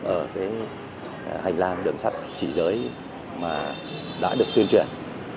ở cái hành lang đường sắt chỉ giới mà đã được tuyên truyền